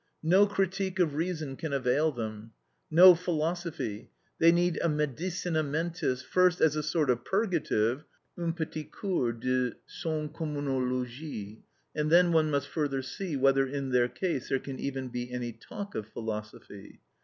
No Critique of Reason can avail them, no philosophy, they need a medicina mentis, first as a sort of purgative, un petit cours de senscommunologie, and then one must further see whether, in their case, there can even be any talk of philosophy.